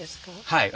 はい。